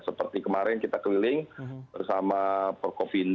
seperti kemarin kita keliling bersama perkopindo